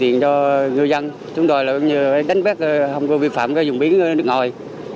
ngư dân chúng tôi đánh bét hồng cơ vi phạm và dùng biến nước ngoài